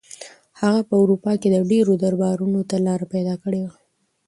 هغه په اروپا کې ډېرو دربارونو ته لاره پیدا کړې وه.